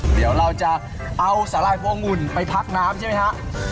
เดี๋ยวเราจะเอาสาหร่ายพวงุ่นไปพักน้ำใช่ไหมฮะ